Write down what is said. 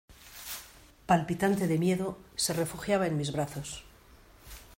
palpitante de miedo, se refugiaba en mis brazos.